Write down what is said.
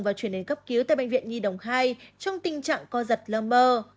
và chuyển đến cấp cứu tại bệnh viện nhi đồng hai trong tình trạng co giật lơ mơ